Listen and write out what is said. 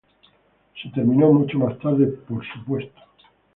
Se terminó mucho más tarde, por supuesto".